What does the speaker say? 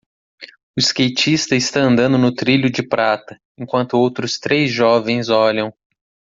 O skatista está andando no trilho de prata, enquanto outros três jovens olham.